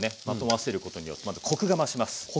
まとわせることによってまずコクが増します。